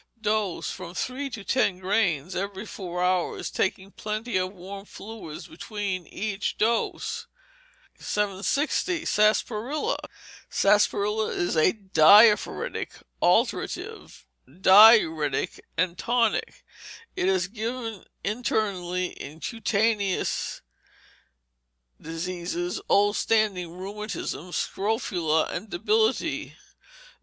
Dose, from three to ten grains every four hours, taking plenty of warm fluids between each dose. 760. Sarsiparilla Sarsiparilla is diaphoretic, alterative, diuretic, and tonic. It is given internally in cutaneous diseases, old standing rheumatism, scrofula, and debility.